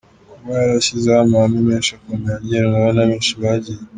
kuba yarashyizeho amahame menshi akomeye agenderwaho na benshi bagiye.